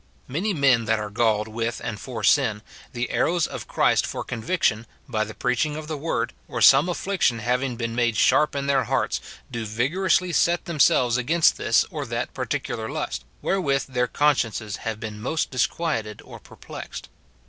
Many men that are galled with and for sin, the arrows of Christ for conviction, by the preach ing of the word, or some afiliction having been made sharp in their hearts, do vigorously set themselves against this or that particular lust, wherewith their consciences have been most disquieted or perplexed.